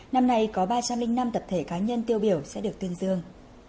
năm nay có ba trăm linh năm tập thể cá nhân tiêu biểu sẽ được tuyên dương